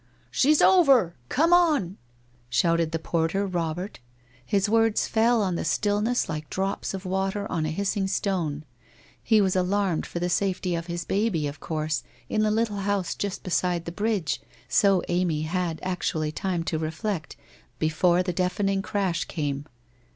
* She's over ! Come on !' shouted the porter Robert. His words fell on the stillness like drops of water on a hissing stone. He was alarmed for the safety of his baby, of course, in the little house just beside the bridge, so Amy had actually time to reflect before the deafening crash came.